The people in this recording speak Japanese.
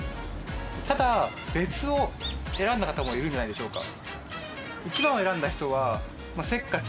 ただ別を選んだ方もいるんじゃないでしょうか